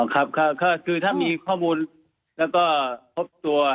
ครับก็คือถ้ามีข้อมูลแล้วก็พบตัว